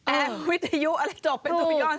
แอบวิทยุอะไรจบเป็นจุดยอด